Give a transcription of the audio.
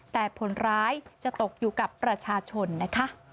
แต่ผลร้ายจะตกอยู่กับประชาชนนะคะ